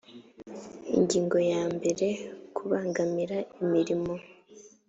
ingingo ya mbere kubangamira imirimo